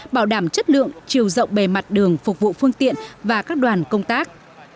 bảo đảm chất lượng chiều rộng bề mặt đường phục vụ phương tiện và các đoàn công tác